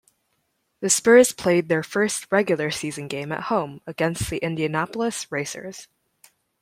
The Spurs played their first regular season game at home against the Indianapolis Racers.